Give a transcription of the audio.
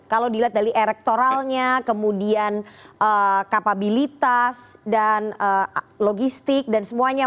kalau dilihat dari elektoralnya kemudian kapabilitas dan logistik dan semuanya